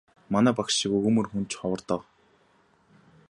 Манай багш шиг өгөөмөр хүн ч ховор доо.